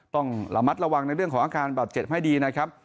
ต้องระมัดระวังในเรื่องของอาการบาดเจ็บให้ดีนะครับ